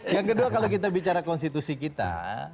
yang kedua kalau kita bicara konstitusi kita